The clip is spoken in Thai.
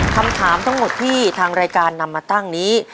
คำถามทั้งหมดที่ทางรายการนำมาตั้งนี้